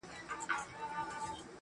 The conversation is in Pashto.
کوم چې د مادې سره مختص دي